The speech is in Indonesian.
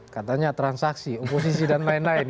katanya transaksi oposisi dan lain lain